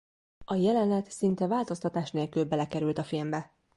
A jelenet szinte változtatás nélkül belekerült a filmbe.